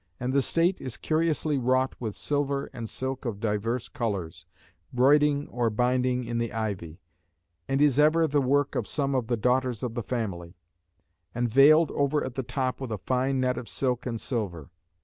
And the state is curiously wrought with silver and silk of divers colors, broiding or binding in the ivy; and is ever of the work of some of the daughters of the family; and veiled over at the top with a fine net of silk and silver.